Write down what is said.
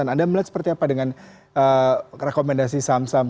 anda melihat seperti apa dengan rekomendasi saham saham